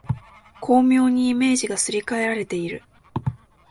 巧妙にイメージがすり替えられている